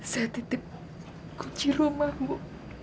saya titip kunci rumahmu